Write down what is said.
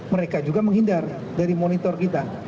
mereka juga menghindar dari monitor kita